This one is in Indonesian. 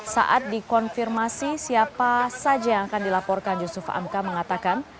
saat dikonfirmasi siapa saja yang akan dilaporkan yusuf hamka mengatakan